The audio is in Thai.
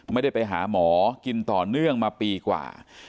ไม่ได้ไปหาหมอกินต่อเนื่องมาปีกว่า